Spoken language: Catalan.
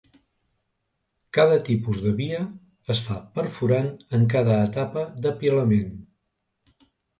Cada tipus de via es fa perforant en cada etapa d'apilament.